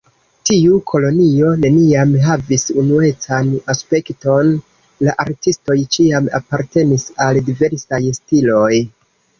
Tiu kolonio neniam havis unuecan aspekton, la artistoj ĉiam apartenis al diversaj stiloj.